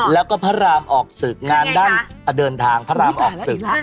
แล้วก็พระรามออกศึกงานด้านเดินทางพระรามออกศึก